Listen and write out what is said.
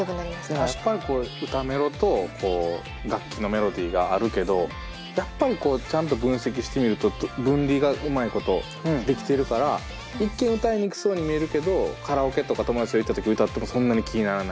確かにこういう歌メロとこう楽器のメロディーがあるけどやっぱりこうちゃんと分析してみると分離がうまいことできてるから一見歌いにくそうに見えるけどカラオケとか友達と行った時歌ってもそんなに気にならない。